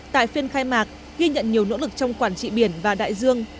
tại phiên khai mạc ghi nhận nhiều nỗ lực trong quản trị biển và đại dương